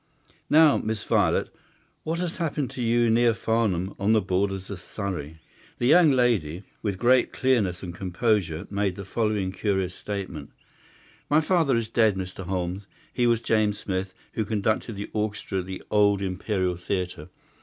Now, Miss Violet, what has happened to you near Farnham, on the borders of Surrey?" The young lady, with great clearness and composure, made the following curious statement:— "My father is dead, Mr. Holmes. He was James Smith, who conducted the orchestra at the old Imperial Theatre.